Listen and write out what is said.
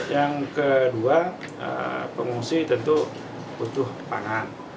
yang kedua pengungsi tentu butuh pangan